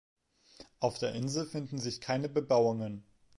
Auf der Insel finden sich keine Bebauungen.